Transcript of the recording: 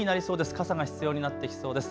傘が必要になってきそうです。